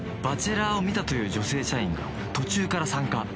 ［『バチェラー』を見たという女性社員が途中から参加］